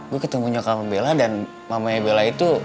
gue ketemu nyokapnya bella dan mamanya bella itu